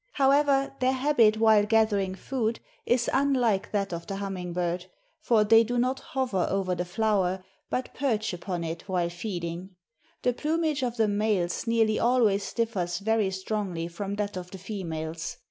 However, their habit while gathering food is unlike that of the hummingbird, for they do not hover over the flower, but perch upon it while feeding. The plumage of the males nearly always differs very strongly from that of the females.